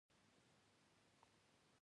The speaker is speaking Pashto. مقعر ګولایي د کاسې په څېر شکل لري